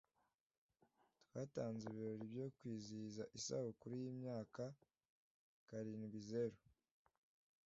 Twatanze ibirori byo kwizihiza isabukuru yimyaka karindwizeru.